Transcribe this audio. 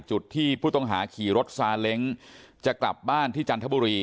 จุดที่ผู้ต้องหาขี่รถซาเล้งจะกลับบ้านที่จันทบุรี